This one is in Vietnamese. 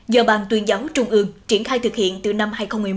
do ban tuyên giáo trung ương triển khai thực hiện từ năm hai nghìn một mươi một